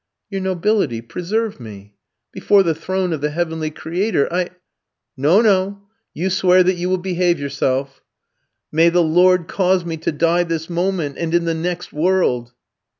"Your nobility, preserve me! Before the throne of the heavenly Creator, I " "No, no; you swear that you will behave yourself." "May the Lord cause me to die this moment and in the next world."